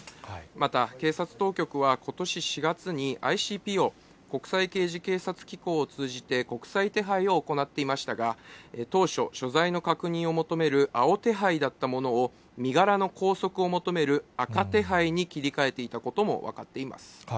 また、警察当局はことし４月に、ＩＣＰＯ・国際刑事警察機構を通じて国際手配を行っていましたが、当初、所在の確認を求める青手配だったものを、身柄の拘束を求める赤手配に切り替えていたことも分かっています。